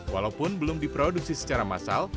walaupun belum diproduksi secara massal